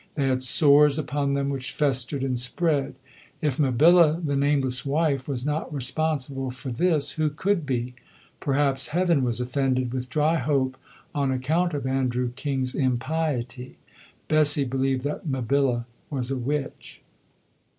They had sores upon them, which festered and spread. If Mabilla, the nameless wife, was not responsible for this, who could be? Perhaps Heaven was offended with Dryhope on account of Andrew King's impiety. Bessie believed that Mabilla was a witch.